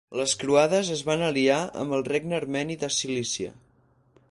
Les croades es van aliar amb el Regne Armeni de Cilícia.